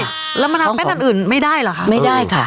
ใช่ค่ะแล้วมะนาวแป้นอื่นไม่ได้เหรอคะ